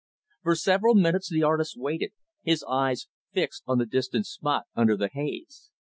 For several minutes the artist waited, his eyes fixed on the distant spot under the haze.